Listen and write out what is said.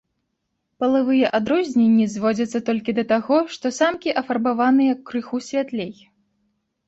Палавыя адрозненні зводзяцца толькі да таго, што самкі афарбаваныя крыху святлей.